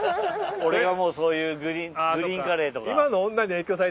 俺がもうそういうグリーンカレーとか。